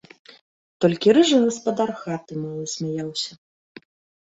Толькі рыжы гаспадар хаты мала смяяўся.